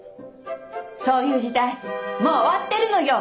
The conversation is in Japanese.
そういう時代もう終わってるのよ！